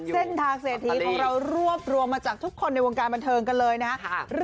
เส้นทางเศรษฐีของเรารวบรวมมาจากทุกคนในวงการบันเทิงกันเลยนะครับ